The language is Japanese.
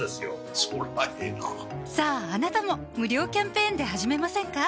そりゃええなさぁあなたも無料キャンペーンで始めませんか？